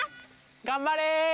頑張れ！